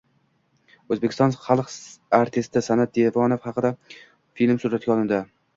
Oʻzbekiston xalq artisti Sanʼat Devonov haqida film suratga olindi